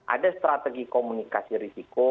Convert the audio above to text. ada strategi komunikasi risiko